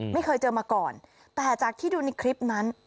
ไม่เคยเจอมาก่อนแต่จากที่ดูในคลิปนั้น